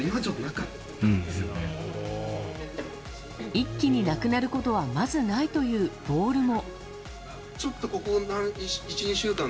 一気になくなることはまずないという、ボールも。